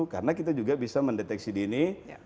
karena kita juga bisa mendeteksi di ini